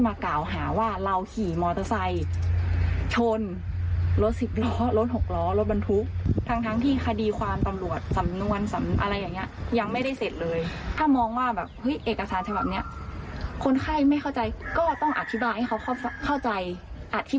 อธิบายให้เขาฟังว่าทำไมถึงออกเอกสารมาแบบนี้